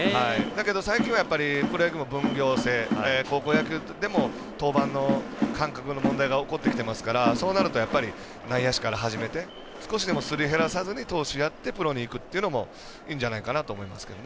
だけど、最近はプロ野球も分業制、高校野球でも登板の間隔の問題が起こっていますから内野手から始めて少しでもすり減らさずに投手やってプロに行くっていうのもいいんじゃないかと思いますけど。